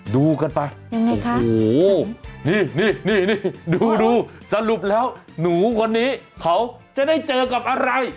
ดูกันไปโอ้โฮนี่ดูสรุปแล้วหนูคนนี้เขาจะได้เจอกับอะไร